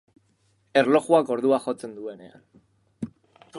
Erlojuak ordua jotzen duenean.